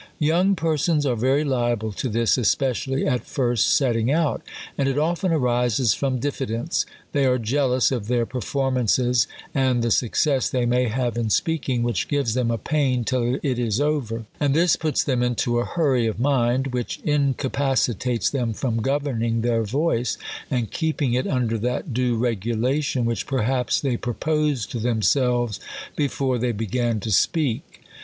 Young persons are very liable to this, especially at first setting out. And it often arises from diffidence. They are jealous of their performances, and the suc cess they may have in speaking, which gives them a pain till it is over; and this puts them into a hurry of mind, which incapacitates them from governing their voice, and keeping it under that due regulation which perhaps they proposed to themselves before they began to speak.